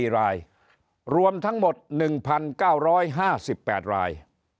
๔รายรวมทั้งหมด๑๙๕๘ราย